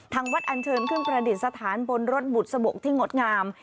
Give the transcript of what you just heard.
ทางวัดอันเชิญขึ้นประดิษฐานบนรถบุตรสะบกที่งดงาม